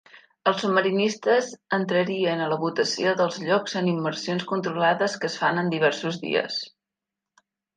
Els submarinistes entrarien a la votació dels llocs en immersions controlades que es fan en diversos dies.